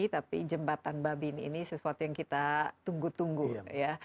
tapi jembatan babin ini sesuatu yang kita tunggu tunggu ya